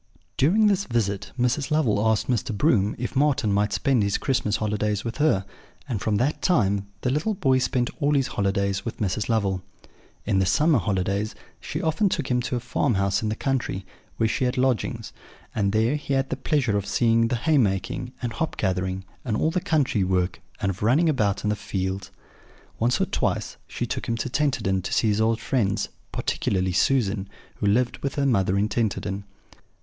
During this visit, Mrs. Lovel asked Mr. Broom if Marten might spend his Christmas holidays with her; and from that time the little boy spent all his holidays with Mrs. Lovel. In the summer holidays she often took him to a farmhouse in the country, where she had lodgings; and there he had the pleasure of seeing the haymaking, and hop gathering, and all the country work, and of running about the fields. Once or twice she took him to Tenterden to see his old friends, particularly Susan, who lived with her mother in Tenterden.